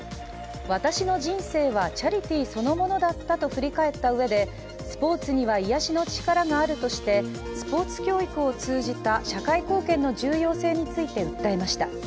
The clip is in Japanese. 私の人生はチャリティーそのものだったと振り返ったうえでスポーツには癒やしの力があるとして、スポーツ教育を通じた社会貢献の重要性について語りました。